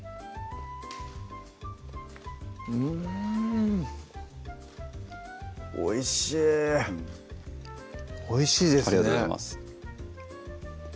うんおいしいおいしいですよねありがとうございます